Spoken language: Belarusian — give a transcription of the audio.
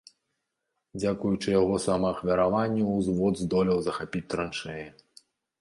Дзякуючы яго самаахвяравання ўзвод здолеў захапіць траншэі.